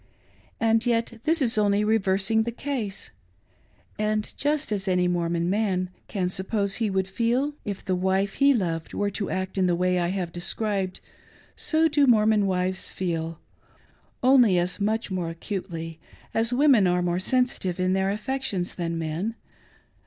And yet this is only reversiag the case ; and just as any Mormon man can suppose he would feel, if the wife he loved were to act in the way I have described, so do Mormon wives feel — only as much more acutely, as women are more sensitive in their affections than men.